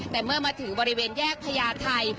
แต่เมื่อมาถึงบริเวณแยกพญาไทย